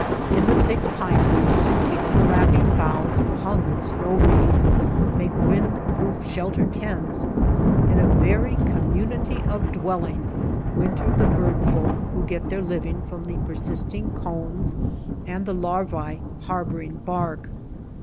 In the thick pine woods where the overlapping boughs hung with snow wreaths make wind proof shelter tents, in a very community of dwelling, winter the bird folk who get their living from the persisting cones and the larvae harboring bark.